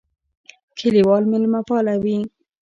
کلیوال مېلمهپاله وي.